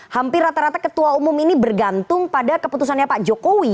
hampir rata rata ketua umum ini bergantung pada keputusannya pak jokowi